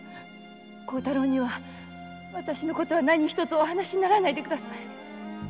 孝太郎にはわたしのことは何ひとつお話にならないでください！